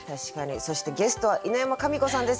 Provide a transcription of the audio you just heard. そしてゲストは犬山紙子さんです。